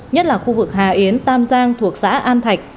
nhất là khu vực hà yến tam giang thuộc xã an thạch